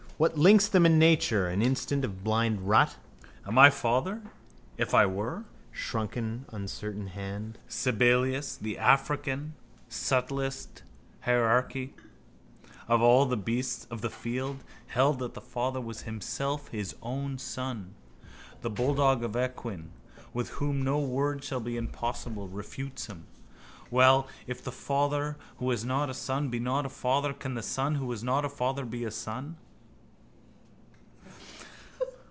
—What links them in nature? An instant of blind rut. Am I a father? If I were? Shrunken uncertain hand. —Sabellius, the African, subtlest heresiarch of all the beasts of the field, held that the Father was Himself His Own Son. The bulldog of Aquin, with whom no word shall be impossible, refutes him. Well: if the father who has not a son be not a father can the son who has not a father be a son?